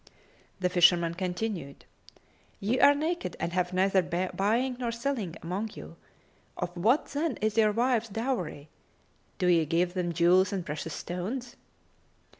The fisherman continued, "Ye are naked and have neither buying nor selling among you: of what then is your wives' dowry? Do ye give them jewels and precious stones?"